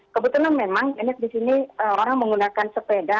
kebetulan memang enak di sini orang menggunakan sepeda